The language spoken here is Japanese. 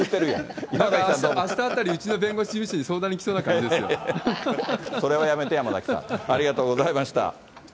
あしたあたりうちの弁護士事それはやめて、山崎さん。ありがとうございました。